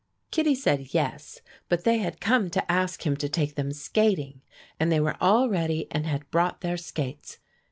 Kittie said yes, but they had come to ask him to take them skating, and they were all ready and had brought their skates.